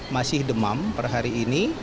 masih demam per hari ini